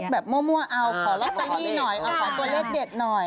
คิดเลขแบบมั่วเอาขอเล็กใจนี่หน่อยเอาขอตัวเลขเด็ดหน่อย